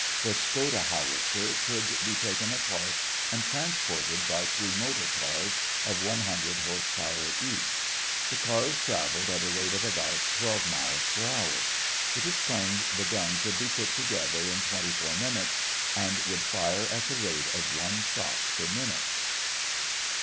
The Skoda howitzer could be taken apart and transported by three motor cars of 100 horse power each. The cars traveled at a rate of about twelve miles per hour. It is claimed the gun could be put together in twenty four minutes, and would fire at the rate of one shot per minute.